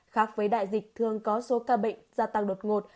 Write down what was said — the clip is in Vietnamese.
khác với đại dịch thường có số ca bệnh gia tăng đột ngột